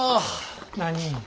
何？